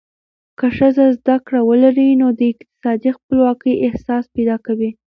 که ښځه زده کړه ولري، نو د اقتصادي خپلواکۍ احساس پیدا کوي.